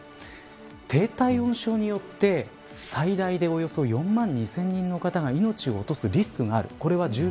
低体温症によって最大でおよそ４万２０００人の方が命を落とすリスクがある。